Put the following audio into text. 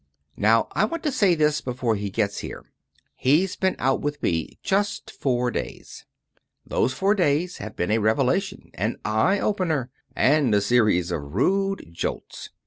Now I want to say this before he gets here. He's been out with me just four days. Those four days have been a revelation, an eye opener, and a series of rude jolts.